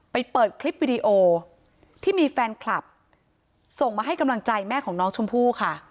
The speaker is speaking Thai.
เปิดคลิปวิดีโอที่มีแฟนคลับส่งมาให้กำลังใจแม่ของน้องชมพู่ค่ะ